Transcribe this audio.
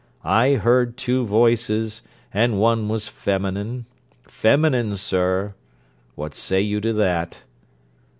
I heard two voices, and one was feminine; feminine, sir: what say you to that?'